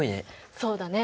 そうだね。